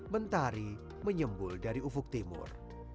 mentari menyembul dari ufuk timur